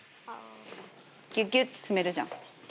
ギュッギュッて詰めるじゃん。